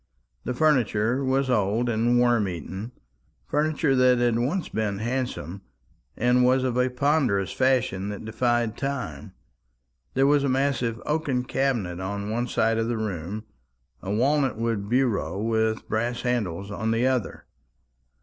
The furniture was old and worm eaten, furniture that had once been handsome, and was of a ponderous fashion that defied time. There was a massive oaken cabinet on one side of the room, a walnut wood bureau with brass handles on the other.